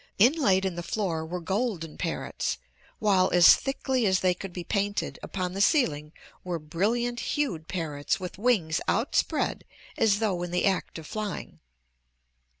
Inlaid in the floor were golden parrots, while, as thickly as they could be painted, upon the ceiling were brilliant hued parrots with wings outspread as though in the act of flying.